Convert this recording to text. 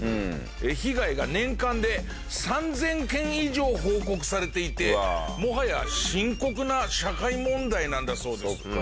被害が年間で３０００件以上報告されていてもはや深刻な社会問題なんだそうです。